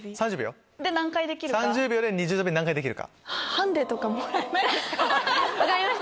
３０秒で二重跳び何回できるか。